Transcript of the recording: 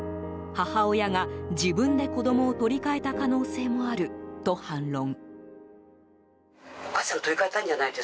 母親が自分で子供を取り替えた可能性もあると反論。